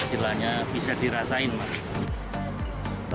istilahnya bisa dirasain banget